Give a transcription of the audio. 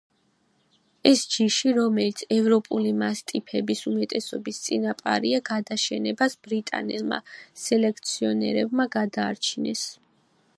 ეს ჯიში, რომელიც ევროპული მასტიფების უმეტესობის წინაპარია, გადაშენებას ბრიტანელმა სელექციონერებმა გადაარჩინეს.